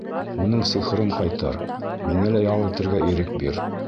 — Уның сихырын ҡайтар, миңә лә ял итергә ирек бир.